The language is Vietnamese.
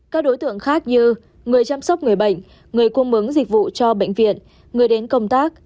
các đối tượng khác như người chăm sóc người bệnh người cung bứng dịch vụ cho bệnh viện người đến công tác